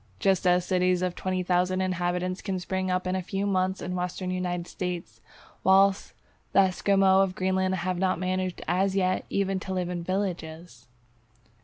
Just as cities of 20,000 inhabitants can spring up in a few months in the Western United States, whilst the Esquimaux of Greenland have not managed as yet even to live in villages!